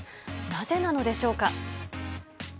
なぜなのでしょうか。